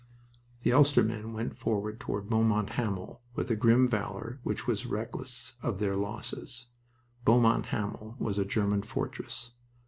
The Ulster men went forward toward Beaumont Hamel with a grim valor which was reckless of their losses. Beaumont Hamel was a German fortress.